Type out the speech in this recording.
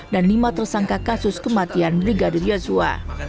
dan lima tersangka kasus kematian brigadir joshua